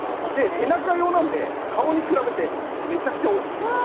背中用なので顔に比べてめちゃくちゃ大きいです。